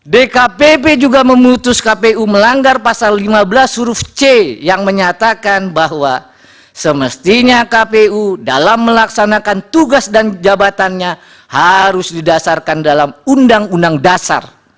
dkpp juga memutus kpu melanggar pasal lima belas huruf c yang menyatakan bahwa semestinya kpu dalam melaksanakan tugas dan jabatannya harus didasarkan dalam undang undang dasar